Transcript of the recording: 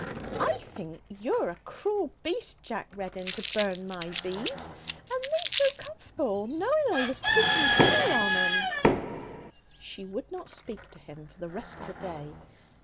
I think you're a cruel beast, Jack Reddin, to burn my bees, and they so comforble, knowing I was taking care on 'em.' She would not speak to him for the rest of the day.